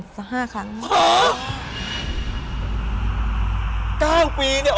ใช่